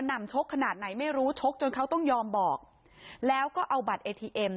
นำชกขนาดไหนไม่รู้ชกจนเขาต้องยอมบอกแล้วก็เอาบัตรเอทีเอ็ม